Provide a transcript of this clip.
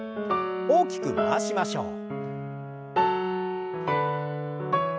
大きく回しましょう。